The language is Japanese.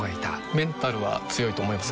メンタルは強いと思いますか？